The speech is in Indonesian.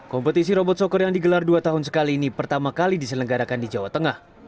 kompetisi robot soccer yang digelar dua tahun sekali ini pertama kali diselenggarakan di jawa tengah